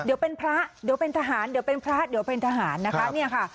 เดี๋ยวเป็นพระเดี๋ยวเป็นทหารเดี๋ยวเป็นพระเดี๋ยวเป็นทหารนะคะเนี่ยค่ะ